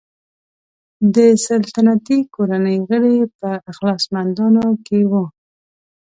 د سلطنتي کورنۍ غړي په اخلاصمندانو کې وو.